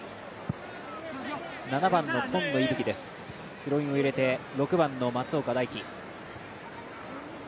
７番の今野息吹、スローインを入れて６番の松岡大起。